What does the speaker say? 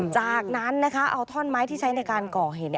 จากนั้นเอาท่อนไม้ที่ใช้ในการก่อเหตุ